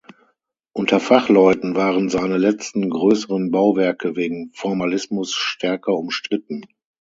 Unter Fachleuten waren seine letzten grösseren Bauwerke wegen Formalismus stärker umstritten.